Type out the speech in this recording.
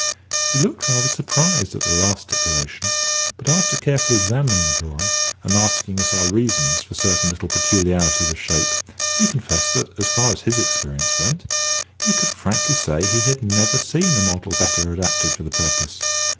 He looked rather surprised at the last stipulation; but after carefully examining the drawing, and asking us our reasons for certain little peculiarities of shape, he confessed that, as far as his experience went, he could frankly say he had never seen a model better adapted for the purpose.